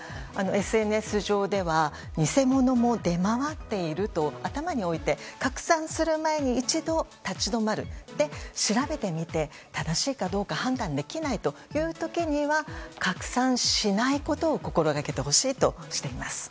ＳＮＳ上では偽物も出回っていると頭に置いて拡散する前に一度立ち止まって調べてみて、正しいかどうか判断できない時には拡散しないことを心掛けてほしいとしています。